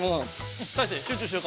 ◆大聖、集中しよか。